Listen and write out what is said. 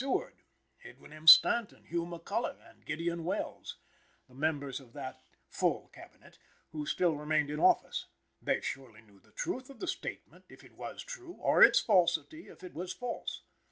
Seward, Edwin M. Stanton, Hugh McCulloch, and Gideon Welles, the members of that "full Cabinet" who still remained in office. They surely knew the truth of the statement, if it was true, or its falsity, if it was false.